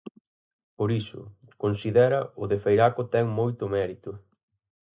Por iso, considera, o de Feiraco ten moito mérito.